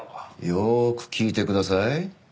よーく聞いてください。